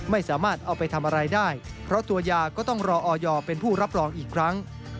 ไม่สามารถเอาไปทำอะไรได้เพราะตัวยาก็ต้องรอออยเป็นผู้รับรองอีกครั้ง